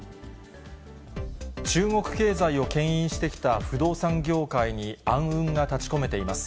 中国経済をけん引してきた不動産業界に暗雲が立ちこめています。